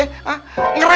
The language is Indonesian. ngeraya banget ya